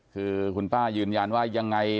คือคุณป้ายืนยันว่ายังไง